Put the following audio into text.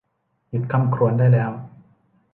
หยุดคร่ำครวญได้แล้ว !